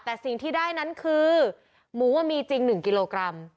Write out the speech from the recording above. แต่สิ่งที่ได้นั้นคือหมูมีจริง๑กิโลกรัม